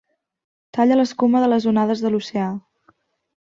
Talla l'escuma de les onades a l'oceà.